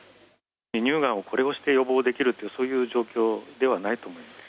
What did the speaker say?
乳がんを、これをして予防できるって、そういう状況ではないと思います。